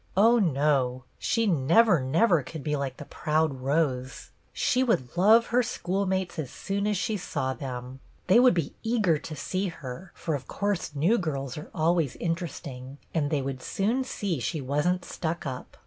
Oh, no ! She never, never could be like the proud Rose ! She would love her schoolmates as soon as she saw them. They would be eager to see her, for of course new girls are always in teresting, and they would soon see she was n't stuck up.